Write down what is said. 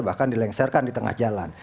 bahkan dilengsarkan di tengah jalan